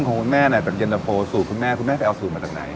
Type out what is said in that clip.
คุณแม่เป็นเย็นทะโภสูตรคุณแม่คุณแม่ไปเอาสูตรมาจากไหน